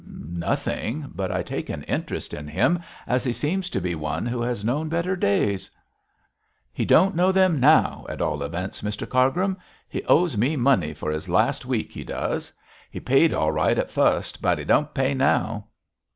'Nothing; but I take an interest in him as he seems to be one who has known better days.' 'He don't know them now, at all events, Mr Cargrim. He owes me money for this last week, he does. He paid all right at fust, but he don't pay now.'